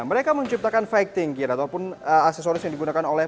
mereka menciptakan fighting gear ataupun aksesoris yang digunakan oleh